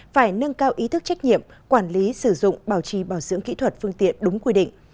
phải nâng cao ý thức trách nhiệm quản lý sử dụng bảo trì bảo dưỡng kỹ thuật phương tiện đúng quy định